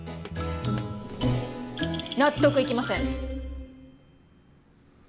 納得いきません。